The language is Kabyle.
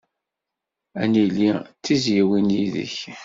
Ad nili d tizzyiwin yid-k.